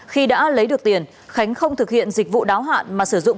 khi đã lấy được tiền khánh không thực hiện dịch vụ đáo hạn mà sử dụng